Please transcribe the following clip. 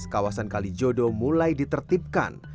kawasan kalijodo mulai ditertibkan